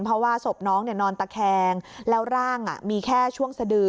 เพราะว่าศพน้องนอนตะแคงแล้วร่างมีแค่ช่วงสดือ